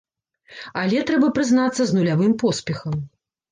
Але, трэба прызнацца, з нулявым поспехам.